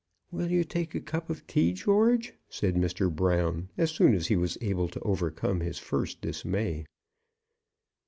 "Will you take a cup of tea, George?" said Mr. Brown, as soon as he was able to overcome his first dismay.